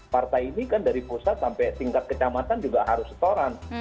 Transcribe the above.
partai ini kan dari pusat sampai tingkat kecamatan juga harus setoran